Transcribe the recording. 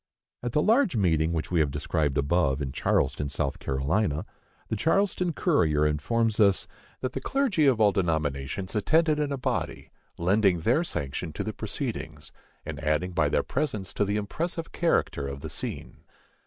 At the large meeting which we have described above, in Charleston, South Carolina, the Charleston Courier informs us "that the clergy of all denominations attended in a body, lending their sanction to the proceedings, and adding by their presence to the impressive character of the scene."